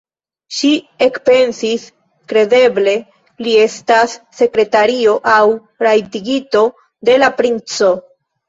Ŝi ekpensis: kredeble li estas sekretario aŭ rajtigito de la princo!